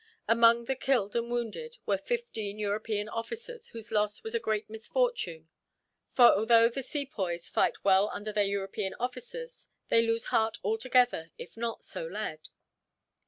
Among the killed and wounded were fifteen European officers, whose loss was a great misfortune for, although the Sepoys fight well under their European officers, they lose heart altogether if not so led.